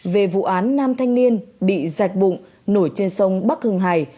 về vụ án nam thanh niên bị dạch bụng nổi trên sông bắc hưng hải